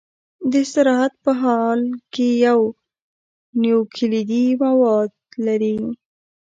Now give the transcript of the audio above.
د استراحت په حال کې یو نوکلوئیدي مواد لري.